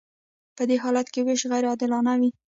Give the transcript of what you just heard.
په دې حالت کې ویش غیر عادلانه وي.